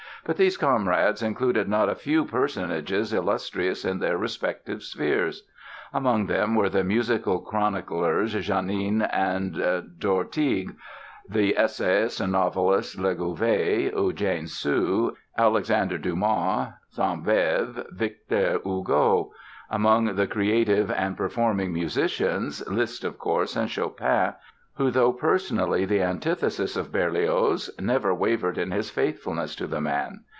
But these comrades included not a few personages illustrious in their respective spheres. Among them were the musical chroniclers Janin and d'Ortigue; the essayists and novelists Legouvé, Eugène Sue, Alexandre Dumas, Sainte Beuve, Victor Hugo; among the creative and performing musicians, Liszt of course and Chopin, who though personally the antithesis of Berlioz, never wavered in his faithfulness to the man.